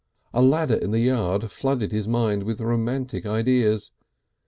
A ladder in the yard flooded his mind with romantic ideas.